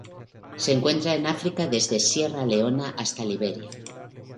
Se encuentran en África desde Sierra Leona hasta Liberia.